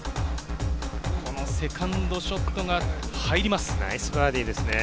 このセカンドショットが入ります。